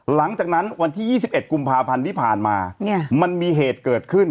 หลังจากนั้นวันที่๒๑กุมภาพันธ์ที่ผ่านมามันมีเหตุเกิดขึ้น